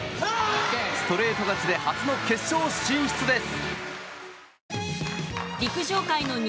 ストレート勝ちで初の決勝進出です。